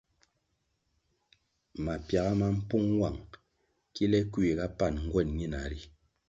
Mapiaga ma mpung nwang kile kuiga pan nguen ñina ri.